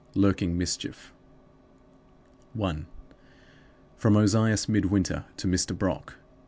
LURKING MISCHIEF. 1. From Ozias Midwinter to Mr. Brock.